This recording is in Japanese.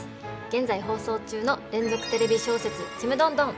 現在放送中の連続テレビ小説「ちむどんどん」。